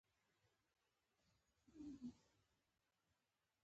افغانستان د خاورې له پلوه خپله ځانګړې او ځانته ځانګړتیا لري.